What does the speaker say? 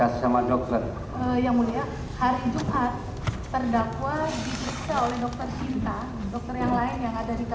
yang mulia hari jumat terdakwa dikirsa oleh dokter sinta dokter yang lain yang ada di kpk